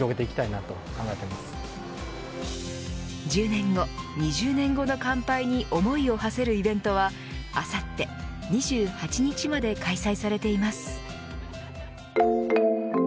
１０年後、２０年後の乾杯に思いをはせるイベントはあさって２８日まで開催されています。